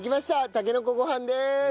たけのこご飯です！